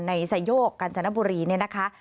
ในสะโยกกัญจนบุรีนี่นะคะ